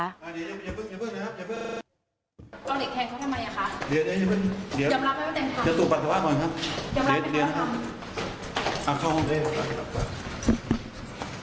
ต้องหลีกแทนเขาทำไมอ่ะค่ะเดี๋ยวเดี๋ยวจะตรวจปัสสาวะ